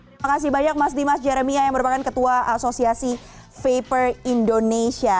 terima kasih banyak mas dimas jeremia yang merupakan ketua asosiasi vaper indonesia